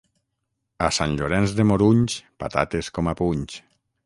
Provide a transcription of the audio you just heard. A Sant Llorenç de Morunys, patates com a punys.